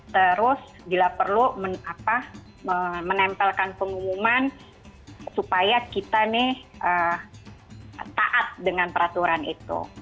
terus bila perlu menempelkan pengumuman supaya kita nih taat dengan peraturan itu